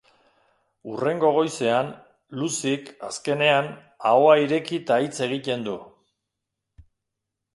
Hurrengo goizean, Lucyk, azkenean, ahoa ireki eta hitz egiten du.